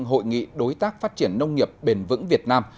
hội nghị đối tác phát triển nông nghiệp bền vững việt nam